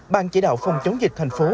ban chỉ đạo phòng chống dịch thành phố